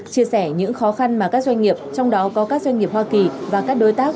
chia sẻ những khó khăn mà các doanh nghiệp trong đó có các doanh nghiệp hoa kỳ